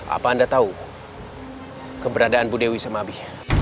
apa anda tahu keberadaan bu dewi sama abi